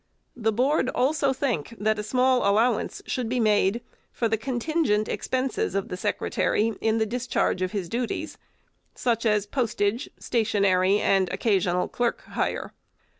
The Board also think, that a small allowance should be made for the contingent expenses of the Secretary in the discharge of his duties, such as post age, stationery, and occasional clerk hire.